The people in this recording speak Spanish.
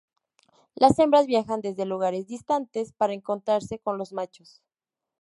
Las hembras viajan desde lugares distantes, para encontrarse con los machos.